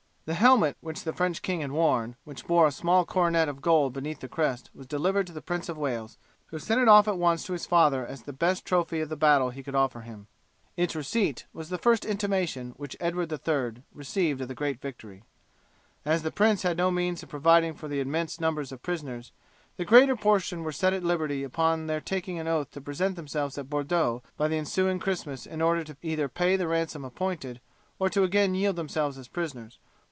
The helmet which the French king had worn, which bore a small coronet of gold beneath the crest, was delivered to the Prince of Wales, who sent it off at once to his father as the best trophy of the battle he could offer him. Its receipt was the first intimation which Edward III received of the great victory. As the prince had no means of providing for the immense number of prisoners, the greater portion were set at liberty upon their taking an oath to present themselves at Bordeaux by the ensuing Christmas in order either to pay the ransom appointed, or to again yield themselves as prisoners.